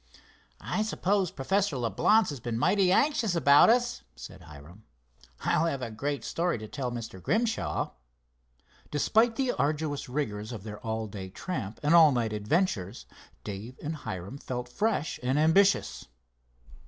"I suppose Professor Leblance has been mighty anxious about us," said Hiram. "I'll have a great story to tell Mr. Grimshaw." Despite the arduous rigors of their all day tramp and all night adventures, Dave and Hiram felt fresh and ambitious.